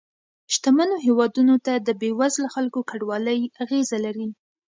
شتمنو هېوادونو ته د بې وزله خلکو کډوالۍ اغیزه لري